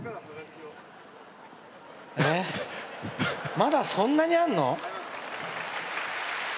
まだそんなにあるの？